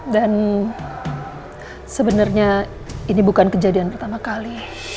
dan sebenarnya ini bukan kejadian pertama kali